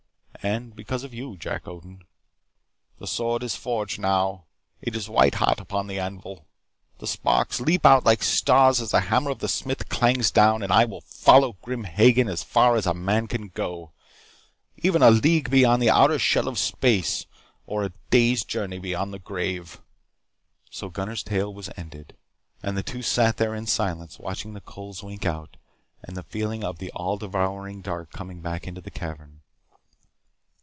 And because of you, Jack Odin. The sword is forged now. It is white hot upon the anvil. The sparks leap out like stars as the hammer of the smith clangs down. And I will follow Grim Hagen as far as a man can go even a league beyond the outer shell of space or a day's journey beyond the grave." (So Gunnar's tale was ended. And the two sat there in silence, watching the coals wink out, and feeling the all devouring dark coming back into the cavern.)